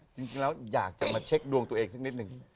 จริงแล้วอยากจะมาเช็คดวงตัวเองสักนิดหนึ่ง